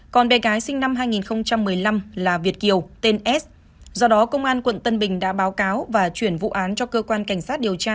còn bé gái sinh năm hai nghìn một mươi năm là việt kiều tên s do đó công an quận tân bình đã báo cáo và chuyển vụ án cho cơ quan cảnh sát điều tra